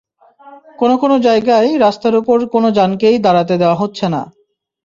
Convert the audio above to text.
কোনো কোনো জায়গায় রাস্তার ওপর কোনো যানকেই দাঁড়াতে দেওয়া হচ্ছে না।